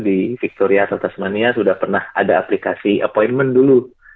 di victoria sertasmania sudah pernah ada aplikasi appointment dulu